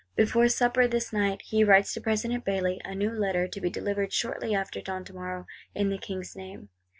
Before supper, this night, he writes to President Bailly, a new Letter, to be delivered shortly after dawn tomorrow, in the King's name.